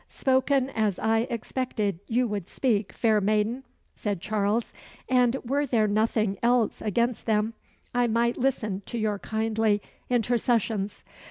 "Spoken as I expected you would speak, fair maiden," said Charles; "and, were there nothing else against them, I might listen to your kindly intercessions.